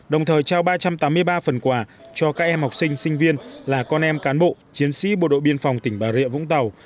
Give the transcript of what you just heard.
đồng thời trao ba trăm tám mươi ba phần quà cho các em học sinh sinh viên là con em cán bộ chiến sĩ bộ đội biên phòng tỉnh bà rịa vũng tàu